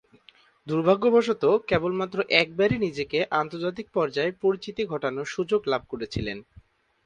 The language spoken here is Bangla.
দূর্ভাগ্যবশতঃ কেবলমাত্র একবারই নিজেকে আন্তর্জাতিক পর্যায়ে পরিচিতি ঘটানোর সুযোগ লাভ করেছিলেন।